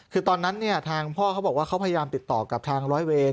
คือตอนนั้นเนี่ยทางพ่อเขาบอกว่าเขาพยายามติดต่อกับทางร้อยเวร